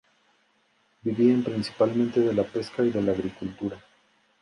Vivían principalmente de la pesca y de la agricultura.